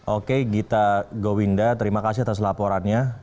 oke gita gowinda terima kasih atas laporannya